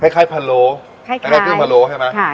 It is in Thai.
คล้ายพะโลแล้วเราตื่นพะโลใช่ไหม